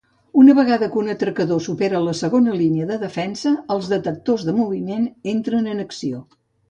Una vegada que un atracador supera la segona línia de defensa, els detectors de moviment entren en acció.